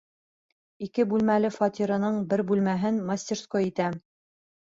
Ике бүлмәле фатирының бер бүлмәһен мастерской итәм.